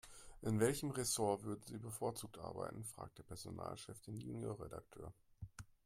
"In welchem Ressort würden Sie bevorzugt arbeiten?", fragte der Personalchef den Junior-Redakteur.